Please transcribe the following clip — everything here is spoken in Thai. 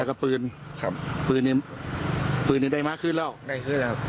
แล้วก็ปืนครับปืนนี้ปืนเนี่ยได้มากขึ้นแล้วได้ขึ้นแล้วครับ